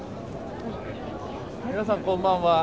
皆さんこんばんは。